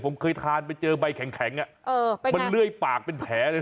ผมเคยทานไปเจอใบแข็งมันเลื่อยปากเป็นแผลเลย